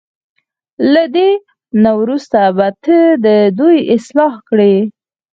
له دې نه وروسته به ته د دوی اصلاح کړې.